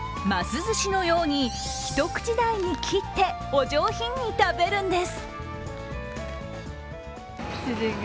寿司のように一口大に切ってお上品に食べるんです。